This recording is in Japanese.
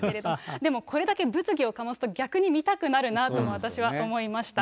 でも、これだけ物議を醸すと、逆に見たくなるなとも私は思いました。